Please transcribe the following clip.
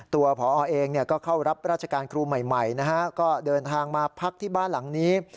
ผอเองก็เข้ารับราชการครูใหม่นะฮะก็เดินทางมาพักที่บ้านหลังนี้